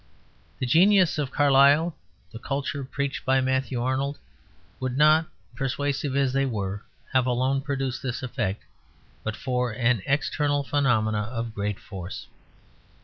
The genius of Carlyle, the culture preached by Matthew Arnold, would not, persuasive as they were, have alone produced this effect but for an external phenomenon of great force.